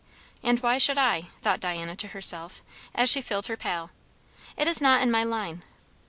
"And why should I?" thought Diana to herself as she filled her pail. "It is not in my line.